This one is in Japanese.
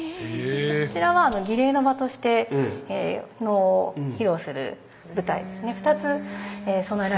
こちらは儀礼の間として能を披露する舞台ですね。